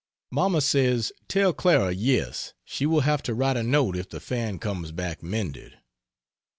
Mamma says, tell Clara yes, she will have to write a note if the fan comes back mended.